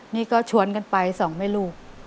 นี่ก็ชวนกันไปสองแม่ลูก